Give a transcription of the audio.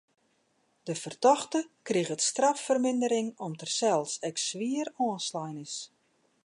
De fertochte kriget straffermindering om't er sels ek swier oanslein is.